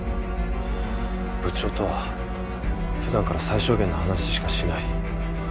部長とは普段から最小限の話しかしない。